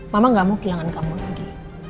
mama gak mau kehilangan kamu lagi